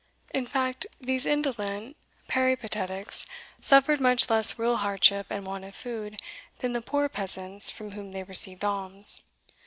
In fact, these indolent peripatetics suffered much less real hardship and want of food, than the poor peasants from whom they received alms.